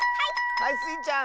はいスイちゃん。